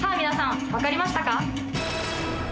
皆さん分かりましたか？